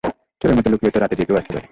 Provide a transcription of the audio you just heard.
চোরের মত লুকিয়ে তো, রাতে যে কেউ আসতে পারে।